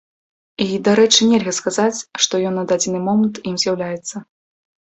І, дарэчы, нельга сказаць, што ён на дадзены момант ім з'яўляецца.